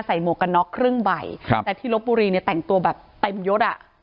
หมวกกันน็อกครึ่งใบครับแต่ที่ลบบุรีเนี่ยแต่งตัวแบบเต็มยดอ่ะ